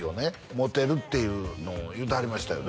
持てるっていうのを言うてはりましたよね